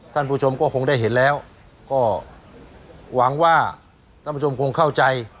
ท่านผู้ชมก็คงได้เห็นแล้วก็หวังว่าท่านผู้ชมคงเข้าใจ